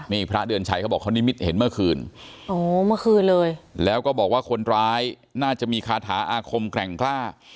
นี่พระเดือนชัยเขาบอกว่านิ้มมิตรเห็นเมื่อคืนแล้วก็บอกว่าคนร้ายน่าจะมีคาถาอาคมแกร่งกล้า